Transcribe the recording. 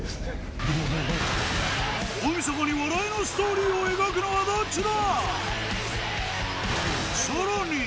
大晦日に笑いのストーリーを描くのはどっちだ⁉